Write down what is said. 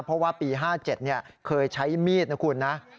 เพราะว่าปี๕๗เคยใช้มีดนะคุณนะ